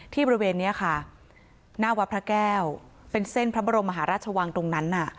บริเวณนี้ค่ะหน้าวัดพระแก้วเป็นเส้นพระบรมมหาราชวังตรงนั้นน่ะ